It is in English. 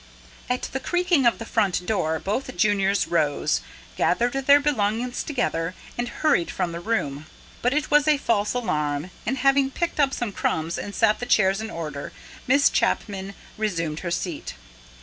At the creaking of the front door both juniors rose, gathered their belongings together, and hurried from the room. But it was a false alarm; and having picked up some crumbs and set the chairs in order, Miss Chapman resumed her seat.